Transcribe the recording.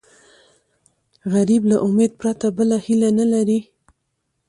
غریب له امید پرته بله هیله نه لري